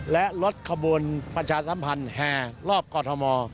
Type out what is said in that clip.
และรถขบวนประชาสัมพันธ์แห่รอบกอทม